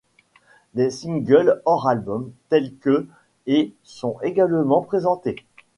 Des singles hors-albums tels que ' et ' sont également présentés.